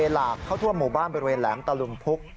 หลากเข้าทั่วหมู่บ้านบริเวณแหลมตะลุมพุก